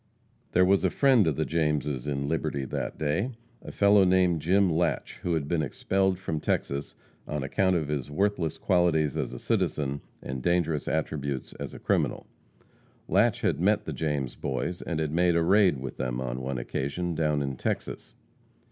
There was a friend of the Jameses in Liberty that day a fellow named Jim Latche, who had been expelled from Texas on account of his worthless qualities as a citizen and dangerous attributes as a criminal. Latche had met the James Boys, and had made a raid with them, on one occasion, down in Texas.